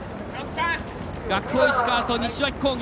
学法石川と西脇工業。